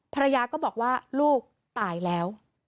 ภรรยาก็บอกว่าลูกตายแล้ว